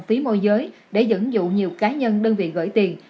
phí môi giới để dẫn dụ nhiều cá nhân đơn vị gửi tiền